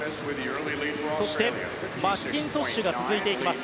そして、マッキントッシュが続いていきます。